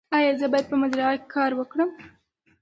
ایا زه باید په مزرعه کې کار وکړم؟